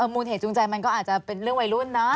มูลเหตุจูงใจก็อาจเป็นเรื่องไวรุ้นนะ